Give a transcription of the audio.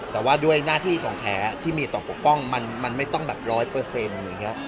แต่ว่าด้วยหน้าที่ของแท้ที่มีต่อปกป้องมันไม่ต้องแบบร้อยเปอร์เซ็นต์อย่างนี้